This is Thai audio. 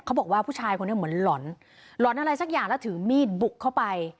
เขาบอกว่าผู้ชายคนนี้เหมือนหล่อนหล่อนอะไรสักอย่างแล้วถือมีดบุกเข้าไป